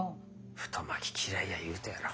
太巻き嫌いや言うたやろ。